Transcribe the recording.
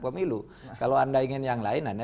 pemilu kalau anda ingin yang lain anda